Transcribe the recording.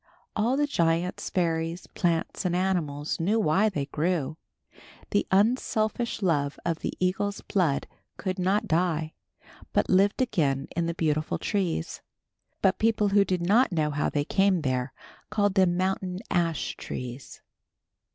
All the giants, fairies, plants and animals knew why they grew. The unselfish love in the eagle's blood could not die, but lived again in the beautiful trees. But people who did not know how they came there, called them mountain ash trees.